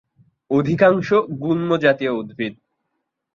অধিকাংশ গুল্ম জাতীয় উদ্ভিদ।